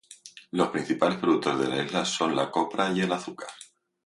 Los principales productos de la isla son la copra y el azúcar.